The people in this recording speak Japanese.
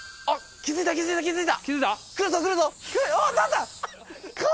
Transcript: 気付いた気付いた。